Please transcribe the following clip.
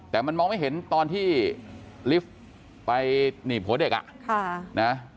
แต่มันมองไม่เห็นตอนที่ลิฟต์ไปหนีบหัวเด็กอ่ะนะ